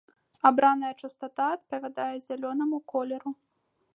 Абраная частата адпавядае зялёнаму колеру.